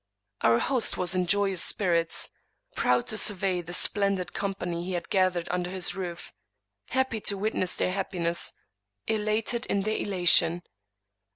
Our host was in joyous spirits; proud to survey the splendid company he had gathered under his roof; happy to witness their happiness; elated in their elation.